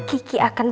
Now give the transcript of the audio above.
udah di tahun